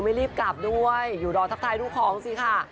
ไม่รีบกลับด้วยอยู่รอทักทายลูกของสิค่ะ